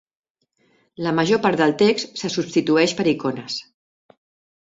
La major part del text se substitueix per icones.